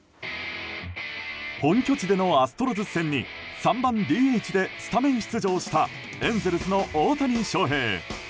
本拠地でのアストロズ戦に３番ＤＨでスタメン出場したエンゼルスの大谷翔平。